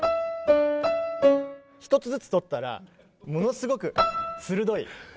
一つずつ取ったらものすごく鋭い。